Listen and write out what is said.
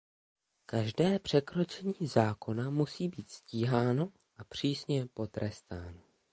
Každé překročení zákona musí být stíháno a přísně potrestáno.